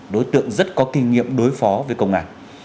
đối tượng rất có kinh nghiệm đối phó với công an